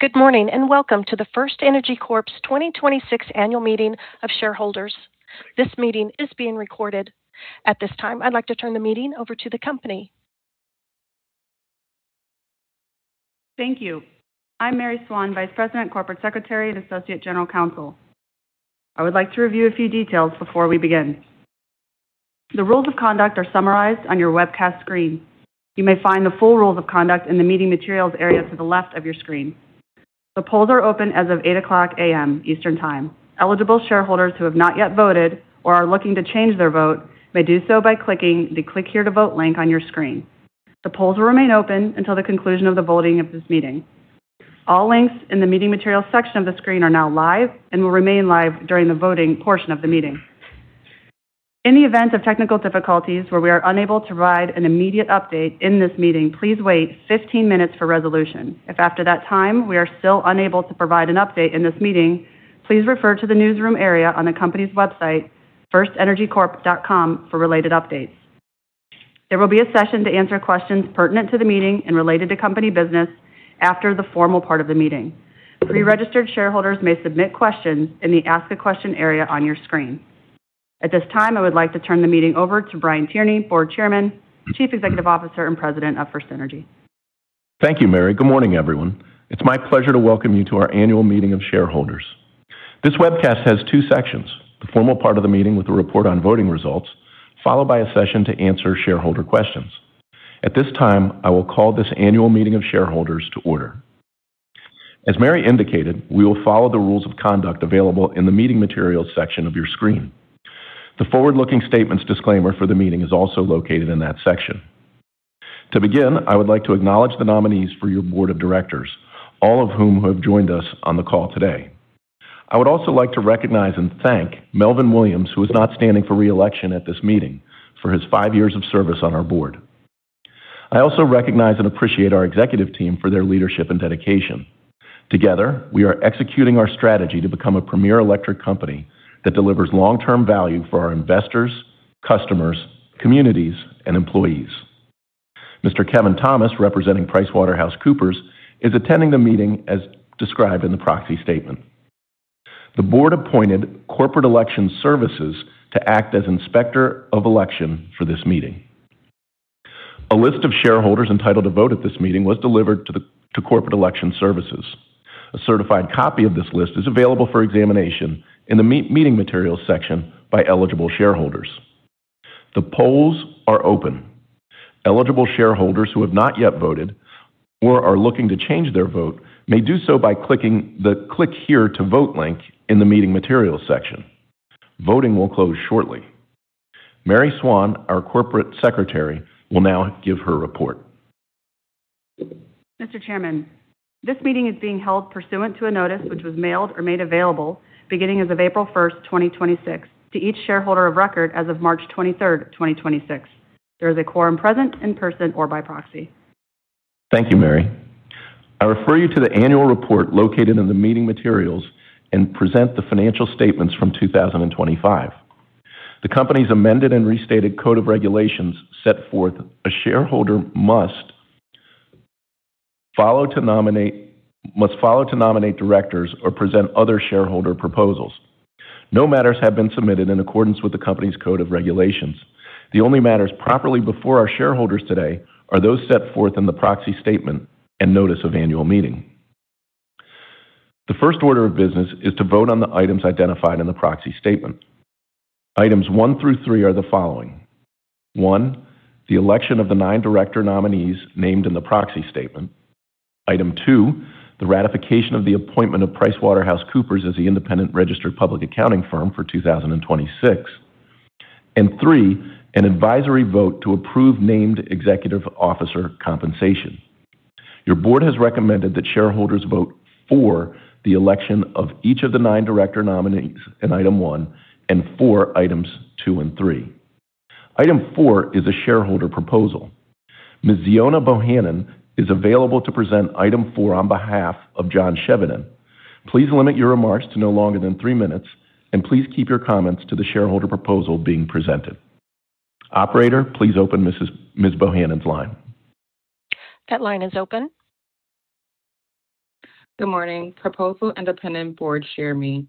Good morning, and welcome to the FirstEnergy Corp's 2026 annual meeting of shareholders. This meeting is being recorded. At this time, I'd like to turn the meeting over to the company. Thank you. I'm Mary Swann, Vice President, Corporate Secretary, and Associate General Counsel. I would like to review a few details before we begin. The rules of conduct are summarized on your webcast screen. You may find the full rules of conduct in the Meeting Materials area to the left of your screen. The polls are open as of 8:00 A.M. Eastern Time. Eligible shareholders who have not yet voted or are looking to change their vote may do so by clicking the Click Here to Vote link on your screen. The polls will remain open until the conclusion of the voting of this meeting. All links in the Meeting Materials section of the screen are now live and will remain live during the voting portion of the meeting. In the event of technical difficulties where we are unable to provide an immediate update in this meeting, please wait 15 minutes for resolution. If after that time we are still unable to provide an update in this meeting, please refer to the newsroom area on the company's website, firstenergycorp.com, for related updates. There will be a session to answer questions pertinent to the meeting and related to company business after the formal part of the meeting. Pre-registered shareholders may submit questions in the Ask a Question area on your screen. At this time, I would like to turn the meeting over to Brian Tierney, Board Chairman, Chief Executive Officer, and President of FirstEnergy. Thank you, Mary. Good morning, everyone. It's my pleasure to welcome you to our annual meeting of shareholders. This webcast has two sections, the formal part of the meeting with a report on voting results, followed by a session to answer shareholder questions. At this time, I will call this annual meeting of shareholders to order. As Mary indicated, we will follow the rules of conduct available in the Meeting Materials section of your screen. The forward-looking statements disclaimer for the meeting is also located in that section. To begin, I would like to acknowledge the nominees for your board of directors, all of whom have joined us on the call today. I would also like to recognize and thank Melvin Williams, who is not standing for reelection at this meeting, for his five years of service on our board. I also recognize and appreciate our executive team for their leadership and dedication. Together, we are executing our strategy to become a premier electric company that delivers long-term value for our investors, customers, communities, and employees. Mr. Kevin Thomas, representing PricewaterhouseCoopers, is attending the meeting as described in the proxy statement. The board appointed Corporate Election Services to act as inspector of election for this meeting. A list of shareholders entitled to vote at this meeting was delivered to Corporate Election Services. A certified copy of this list is available for examination in the Meeting Materials section by eligible shareholders. The polls are open. Eligible shareholders who have not yet voted or are looking to change their vote may do so by clicking the Click Here to Vote link in the Meeting Materials section. Voting will close shortly. Mary Swann, our Corporate Secretary, will now give her report. Mr. Chairman, this meeting is being held pursuant to a notice which was mailed or made available beginning as of April 1st, 2026, to each shareholder of record as of March 23rd, 2026. There is a quorum present in person or by proxy. Thank you, Mary. I refer you to the annual report located in the Meeting Materials and present the financial statements from 2025. The company's amended and restated code of regulations set forth a shareholder must follow to nominate directors or present other shareholder proposals. No matters have been submitted in accordance with the company's code of regulations. The only matters properly before our shareholders today are those set forth in the proxy statement and notice of annual meeting. The first order of business is to vote on the items identified in the proxy statement. Items one through three are the following. One, the election of the nine director nominees named in the proxy statement. Item two, the ratification of the appointment of PricewaterhouseCoopers as the independent registered public accounting firm for 2026. And three, an advisory vote to approve named executive officer compensation. Your board has recommended that shareholders vote for the election of each of the nine director nominees in item one and for items two and three. Item four is a shareholder proposal. Ms. Ziona Bohannon is available to present item four on behalf of John Chevedden. Please limit your remarks to no longer than three minutes, and please keep your comments to the shareholder proposal being presented. Operator, please open Ms. Bohannon's line. That line is open. Good morning. Proposal Independent Board Chairman,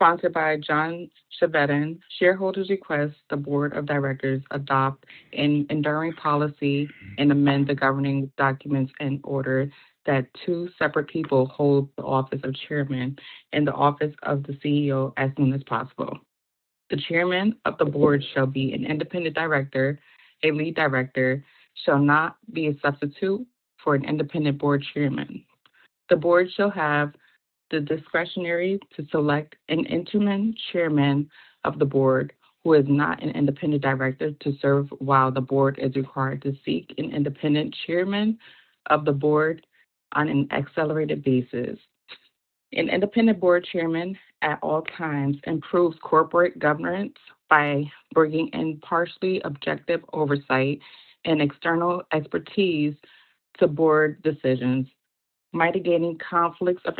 sponsored by John Chevedden. Shareholders request the Board of Directors adopt an enduring policy and amend the governing documents in order that two separate people hold the office of chairman and the office of the CEO as soon as possible. The chairman of the board shall be an independent director. A lead director shall not be a substitute for an independent board chairman. The board shall have the discretion to select an interim chairman of the board who is not an independent director to serve while the board is required to seek an independent chairman of the board on an accelerated basis. An independent board chairman at all times improves corporate governance by bringing in partially objective oversight and external expertise to board decisions, mitigating conflicts of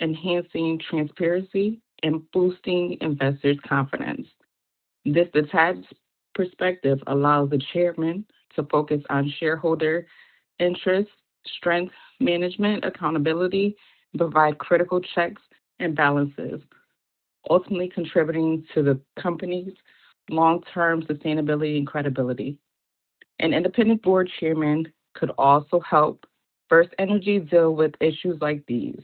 interest, enhancing transparency, and boosting investors' confidence. This detached perspective allows the chairman to focus on shareholder interest, strength, management, accountability, provide critical checks and balances, ultimately contributing to the company's long-term sustainability and credibility. An independent board chairman could also help FirstEnergy deal with issues like these.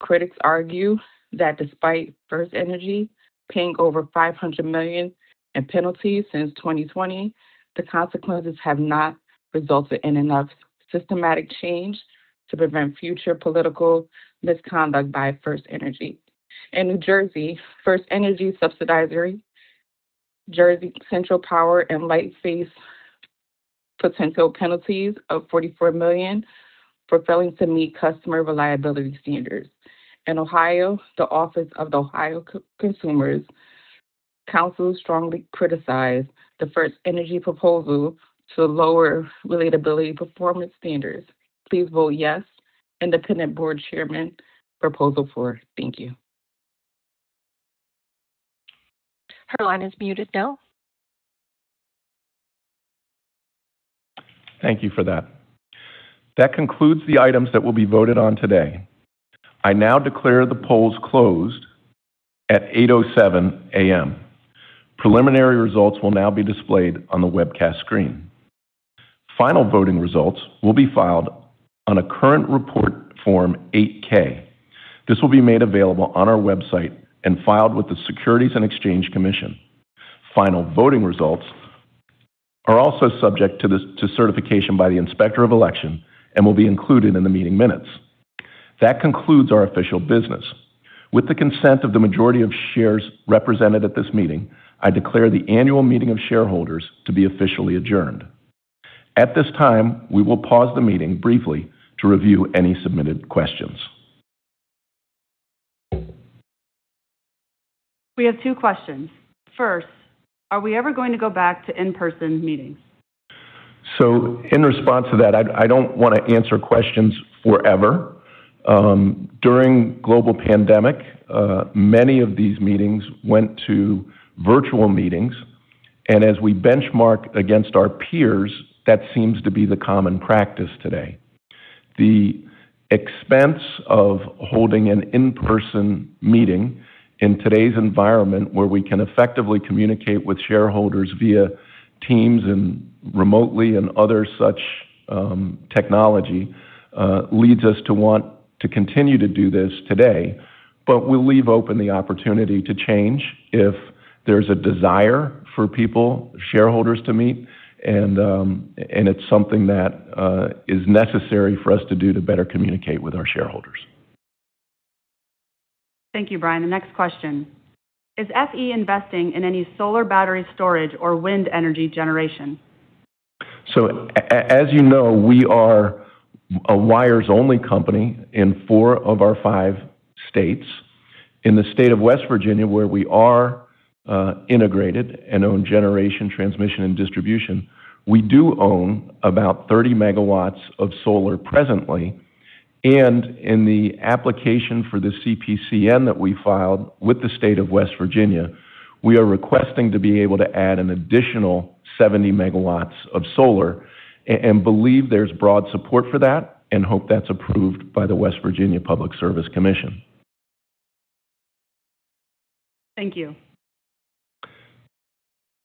Critics argue that despite FirstEnergy paying over $500 million in penalties since 2020, the consequences have not resulted in enough systematic change to prevent future political misconduct by FirstEnergy. In New Jersey, FirstEnergy subsidiary Jersey Central Power & Light face potential penalties of $44 million for failing to meet customer reliability standards. In Ohio, the Office of the Ohio Consumers' Counsel strongly criticized the FirstEnergy proposal to lower reliability performance standards. Please vote yes, Independent Board Chairman Proposal Four. Thank you. Her line is muted now. Thank you for that. That concludes the items that will be voted on today. I now declare the polls closed at 8:07 A.M. Preliminary results will now be displayed on the webcast screen. Final voting results will be filed on a current report Form 8-K. This will be made available on our website and filed with the Securities and Exchange Commission. Final voting results are also subject to certification by the Inspector of Election and will be included in the meeting minutes. That concludes our official business. With the consent of the majority of shares represented at this meeting, I declare the annual meeting of shareholders to be officially adjourned. At this time, we will pause the meeting briefly to review any submitted questions. We have two questions. First, are we ever going to go back to in-person meetings? In response to that, I don't wanna answer questions forever. During global pandemic, many of these meetings went to virtual meetings. As we benchmark against our peers, that seems to be the common practice today. The expense of holding an in-person meeting in today's environment where we can effectively communicate with shareholders via Teams and remotely and other such technology leads us to want to continue to do this today. We'll leave open the opportunity to change if there's a desire for people, shareholders to meet and it's something that is necessary for us to do to better communicate with our shareholders. Thank you, Brian. The next question: Is FE investing in any solar battery storage or wind energy generation? As you know, we are a wires-only company in four of our five states. In the state of West Virginia, where we are integrated and own generation, transmission, and distribution, we do own about 30 MW of solar presently. In the application for the CPCN that we filed with the state of West Virginia, we are requesting to be able to add an additional 70 MW of solar and believe there's broad support for that and hope that's approved by the West Virginia Public Service Commission. Thank you.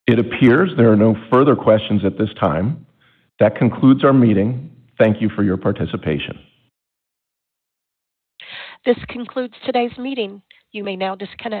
It appears there are no further questions at this time. That concludes our meeting. Thank you for your participation. This concludes today's meeting. You may now disconnect.